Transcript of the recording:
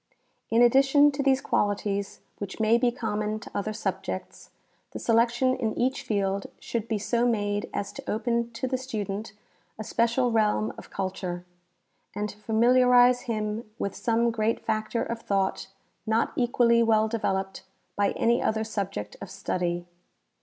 In addition to these qualities, which may be common to other subjects, the selection in each field should be so made as to open to the student a special realm of culture, and to familiarize him with some great factor of thought not equally well developed by any other subject of study.